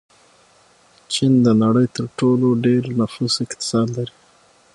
چین د نړۍ تر ټولو ډېر نفوس اقتصاد لري.